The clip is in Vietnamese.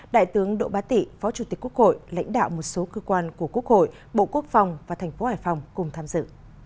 đại tướng đỗ bá tị phó chủ tịch quốc hội lãnh đạo một số cơ quan của quốc hội bộ quốc phòng và thành phố hải phòng cùng tham dự